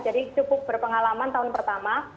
jadi cukup berpengalaman tahun pertama